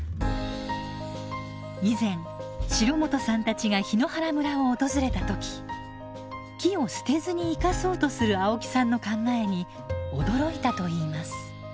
以前城本さんたちが檜原村を訪れた時木を捨てずに生かそうとする青木さんの考えに驚いたといいます。